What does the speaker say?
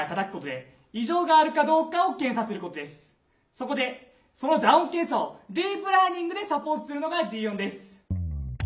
そこでその打音検査をディープラーニングでサポートするのが「Ｄ−ＯＮ」です。